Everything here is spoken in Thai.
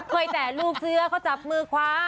ไม่แต่ลูกเสื้อเขาจับมือคว้า